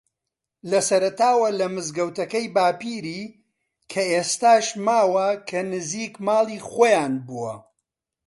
لە سەرەتاوە لە مزگەوتەکەی باپیری کە ئێستاش ماوە کە نزیک ماڵی خۆیان بووە